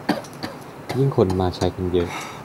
ยิ่งคนมาใช้กันเยอะ